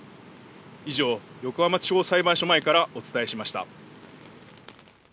以上、横浜地方裁判所前からお伝えしました。